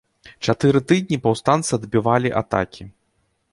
Чатыры тыдні паўстанцы адбівалі атакі.